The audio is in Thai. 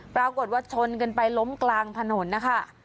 ปรากฏว่าชนกันไปล้มกลางถนนนะคะ